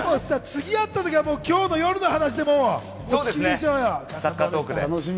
次会った時は今日の夜の話で。